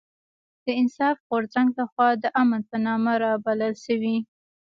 د انصاف غورځنګ لخوا د امن په نامه رابلل شوې